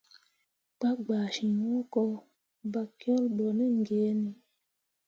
Pa gbaa ciŋ hũko, bakyole ɓo ne giini.